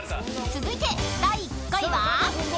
［続いて第４位は？］